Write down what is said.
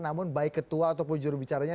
namun baik ketua ataupun jurubicaranya